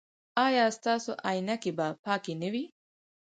ایا ستاسو عینکې به پاکې نه وي؟